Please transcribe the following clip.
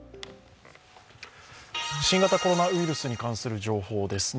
新型コロナウイルスに関する情報です。